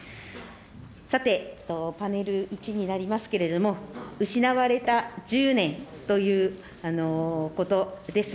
さて、パネル１になりますけれども、失われた１０年ということです。